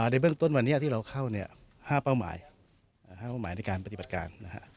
ในเบื้องต้นวันนี้ที่เราเข้า๕เป้าหมาย๕เป้าหมายในการปฏิบัติการ